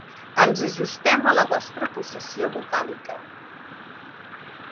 Ens ajustem a la nostra possessió vocàlica.